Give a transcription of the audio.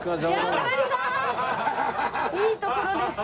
いいところで。